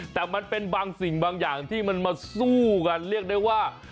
แต่มันเป็นบางสิ่งบางอย่างที่มันมาสู้กันเรียกได้ว่า